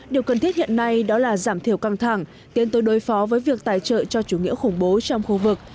điều cần thiết hiện nay đó là giảm thiểu căng thẳng tiến tới đối phó với việc tài trợ cho chủ nghĩa khủng bố trong khu vực